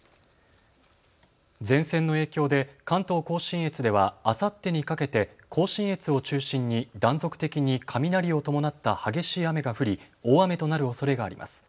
前線の影響で関東甲信越ではあさってにかけて甲信越を中心に断続的に雷を伴った激しい雨が降り大雨となるおそれがあります。